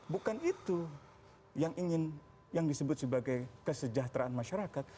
bukan itu yang disebut sebagai kesejahteraan masyarakat